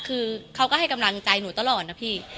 คือเขาก็ให้กำลังใจหนูตลอดนะพี่